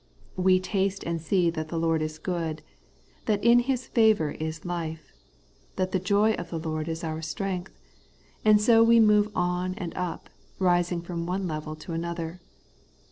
We taste and see that the Lord is good ; that in His favour is life ; that the joy of the Lord is our strength ; and so we move on and up, rising from one level to another.